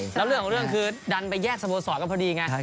แล้วเรื่องของเรื่องคือดันไปแยกสโมสรกันพอดีไง